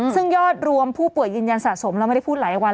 ซึ่งยอดรวมผู้ป่วยยืนยันสะสมเราไม่ได้พูดหลายวัน